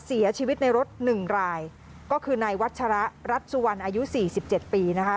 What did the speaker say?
เสียชีวิตในรถ๑รายก็คือนายวัชระรัฐสุวรรณอายุ๔๗ปี